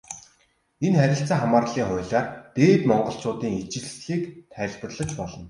Энэ харилцаа хамаарлын хуулиар Дээд Монголчуудын ижилслийг тайлбарлаж болно.